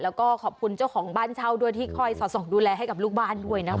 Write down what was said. แล้วก็ขอบคุณเจ้าของบ้านเช่าด้วยที่คอยสอดส่องดูแลให้กับลูกบ้านด้วยนะคะ